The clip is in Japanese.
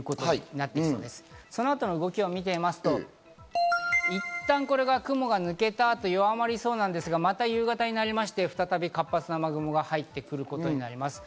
そのあとの動きを見てみますと、いったんこれが雲が抜けた後、弱まりそうなんですが、また夕方になりまして、再び活発な雨雲が入ってくることになります。